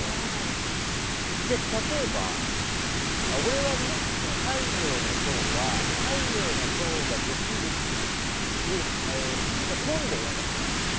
例えば、俺は太陽の塔は太陽の塔ができるという話を本で読んだことはある。